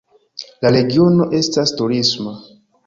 La regiono estas turisma.